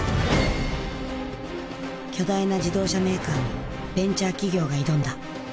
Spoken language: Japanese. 巨大な自動車メーカーにベンチャー企業が挑んだ。